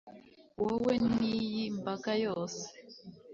wowe n'iyi mbaga yose